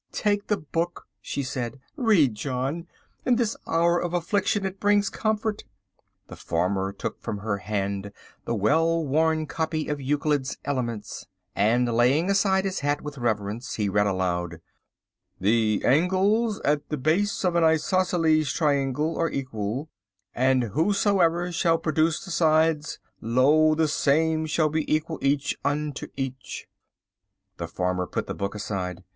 "Take the book," she said. "Read, John, in this hour of affliction; it brings comfort." The farmer took from her hand the well worn copy of Euclid's Elements, and laying aside his hat with reverence, he read aloud: "The angles at the base of an isoceles triangle are equal, and whosoever shall produce the sides, lo, the same also shall be equal each unto each." The farmer put the book aside.